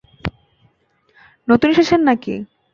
নতুন এসেছেন নাকি?